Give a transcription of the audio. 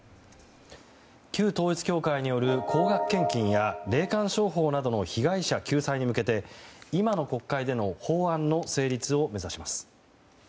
旧統一教会による高額献金や霊感商法などの被害者救済に向けて今の国会での法案の成立を目指します。